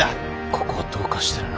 ここはどうかしてるな。